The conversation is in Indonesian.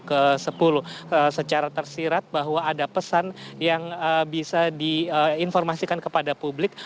dan ini juga secara tersirat bahwa ada pesan yang bisa diinformasikan kepada publik